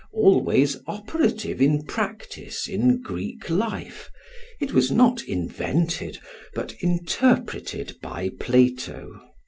Always operative in practice in Greek life it was not invented but interpreted by Plato.